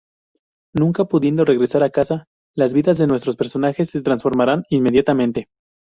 Nunca pudiendo regresar a casa, las vidas de nuestros personajes se transforman inmediatamente.